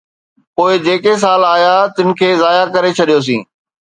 پوءِ جيڪي سال آيا، تن کي ضايع ڪري ڇڏيوسين.